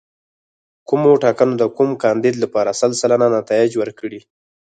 کومو ټاکنو د کوم کاندید لپاره سل سلنه نتایج ورکړي.